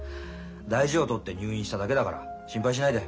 大事を取って入院しただけだから心配しないで。